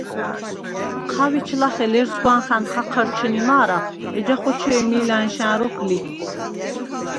ჴავიჩ ლახე ლერსგვანხა̈ნ ხაჴჷრჩჷნი მა̄რა, ეჯა ხოჩე̄მი ლა̈ნშა̈ნ როქვ ლი.